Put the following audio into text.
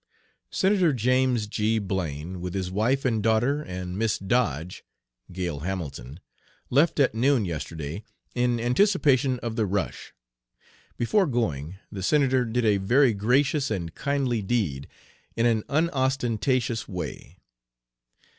"Senator James G. Blaine, with his wife and daughter and Miss Dodge ('Gail Hamilton') left at noon yesterday in anticipation of the rush. Before going the Senator did a very gracious and kindly deed in an unostentatious way.